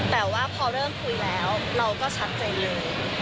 แต่ว่าพอเริ่มคุยแล้วเราก็ชัดเจนเลย